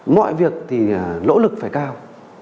mọi việc thì nỗ lực phải cao